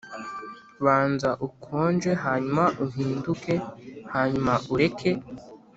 banza ukonje, hanyuma uhinduke, hanyuma ureke.